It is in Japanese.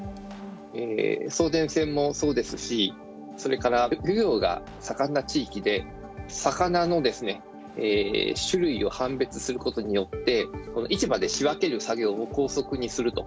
送電線もそうですしそれから漁業が盛んな地域で魚の種類を判別することによって市場で仕分ける作業を高速にすると。